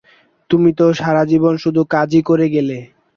তুমি তো সারাজীবন শুধু কাজই করে গেলে।